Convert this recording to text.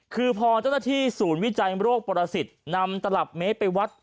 คือพอเจ้าหน้าที่ศูนย์วิจัยโรคประสิทธิ์นำตลับเมตรไปวัด